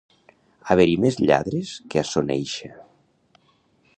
Haver-hi més lladres que a Soneixa.